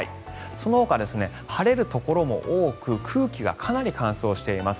そのほか、晴れるところも多く空気がかなり乾燥しています。